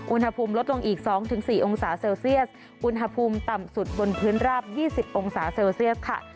อุณหภูมิลดลงอีก๒๔องศาเซลเซียสอุณหภูมิต่ำสุดบนพื้นราบ๒๐องศาเซลเซียสค่ะ